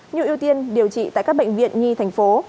như ưu tiên điều trị tại các bệnh viện nhi thành phố